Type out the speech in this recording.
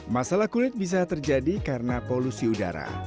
masalah kulit bisa terjadi karena polusi udara